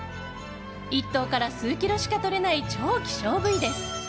１頭から数キロしかとれない超希少部位です。